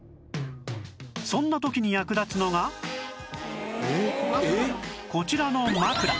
そんな時に役立つのがこちらの枕